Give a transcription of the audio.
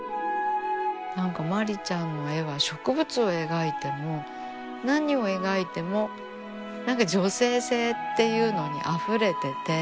何かまりちゃんの絵は植物を描いても何を描いても何か「女性性」っていうのにあふれてて。